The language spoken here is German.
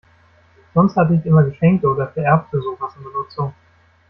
Sonst hatte ich immer geschenkte oder vererbte Sofas in Benutzung.